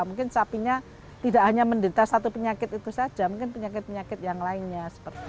mungkin sapinya tidak hanya mendeta satu penyakit itu saja mungkin penyakit penyakit yang lainnya